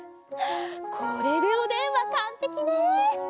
これでおでんはかんぺきね。